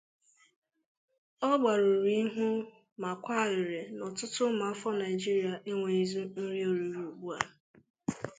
Ọ gbarụrụ ihu ma kwaa arịrị na ọtụtụ ụmụafọ Nigeria enweghịzị nri oriri ugbua